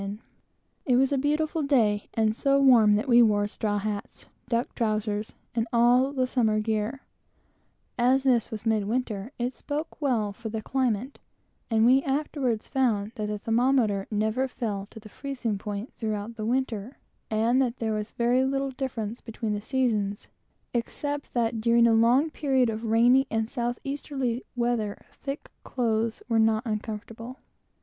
In the first place, it was a beautiful day, and so warm that we had on straw hats, duck trowsers, and all the summer gear; and as this was mid winter, it spoke well for the climate; and we afterwards found that the thermometer never fell to the freezing point throughout the winter, and that there was very little difference between the seasons, except that during a long period of rainy and south easterly weather, thick clothes were not uncomfortable.